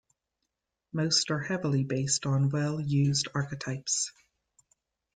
Most are heavily based on well-used archetypes.